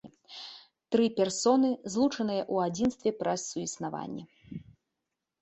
Тры персоны злучаныя ў адзінстве праз суіснаванне.